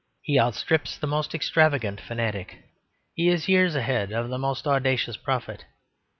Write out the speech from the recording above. He outstrips the most extravagant fanatic. He is years ahead of the most audacious prophet.